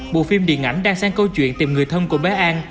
bộ phim điện ảnh đang sang câu chuyện tìm người thân của bé an